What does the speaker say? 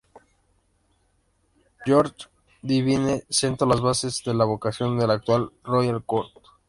George Devine sentó las bases de la vocación del actual Royal Court.